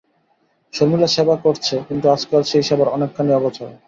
শর্মিলা সেবা করছে, কিন্তু আজকাল সেই সেবার অনেকখানি অগোচরে।